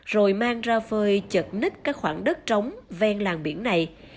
rồi mang ra phơi chật nít các khoảng đất trống ven làng biển này